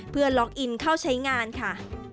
เพื่อล็อกอินเข้าใช้งานค่ะ